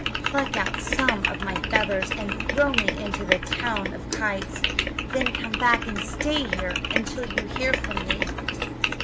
Pluck out some of my feathers and throw me into the town of the kites; then come back and stay here until you hear from me."